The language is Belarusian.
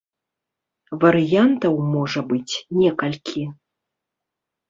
Варыянтаў можа быць некалькі.